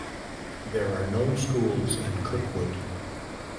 There are no schools in Kirkwood.